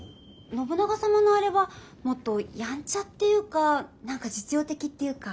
信長様のあれはもっとやんちゃっていうか何か実用的っていうか。